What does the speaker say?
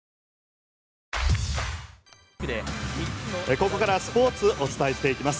ここからスポーツお伝えしていきます。